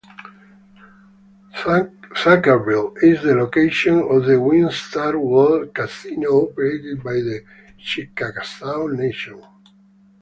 Thackerville is the location of the Winstar World Casino, operated by the Chickasaw Nation.